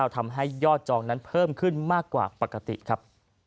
ทำให้ยอดจองนั้นเพิ่มขึ้นมากกว่าปกติครับ